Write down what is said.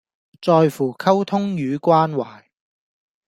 在乎溝通與關懷